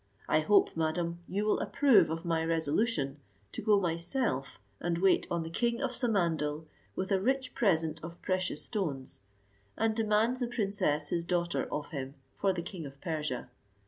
I hope, madam, you will approve of my resolution, to go myself and wait on the king of Samandal, with a rich present of precious stones, and demand the princess his daughter of him for the king of Persia.